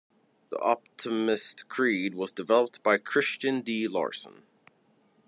The Optimist Creed was developed by Christian D. Larson.